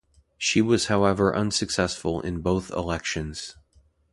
She was however unsuccessful in both elections.